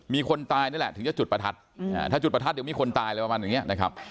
มีคนตายนี่แหละถึงจะจุดประทัดถ้าจุดประทัดเดี๋ยวมีคนตายอะไรประมาณอย่างนี้นะครับ